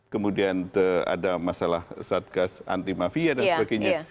kemudian ada masalah satgas anti mafia dan sebagainya